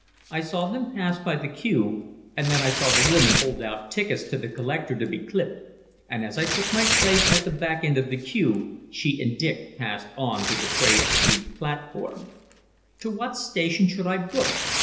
I saw them pass by the queue, and then I saw the woman hold out tickets to the collector to be clipped, and as I took my place at the back end of the queue she and Dick passed on to the Praed Street platform. To what station should I book?